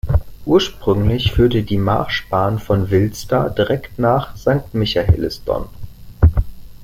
Ursprünglich führte die Marschbahn von Wilster direkt nach Sankt Michaelisdonn.